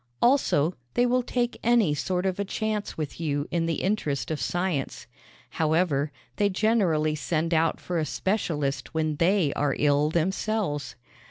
Also, they will take any sort of a chance with you in the interest of science. However, they generally send out for a specialist when they are ill themselves.